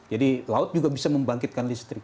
jadi laut juga bisa membangkitkan listrik